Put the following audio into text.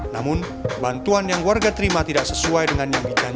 namun bantuan yang warga terima tidak bisa dihubungi dengan angin puting beliung